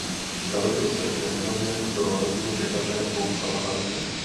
Narodil se v Břevnově do rodiny pekaře Bohuslava Hanuše.